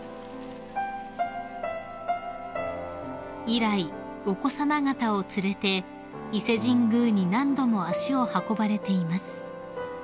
［以来お子さま方を連れて伊勢神宮に何度も足を運ばれています］